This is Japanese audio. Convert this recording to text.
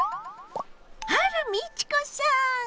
あら美智子さん！